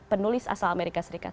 penulis asal amerika serikat